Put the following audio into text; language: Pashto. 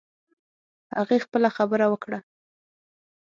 هغې خپله خبره وکړه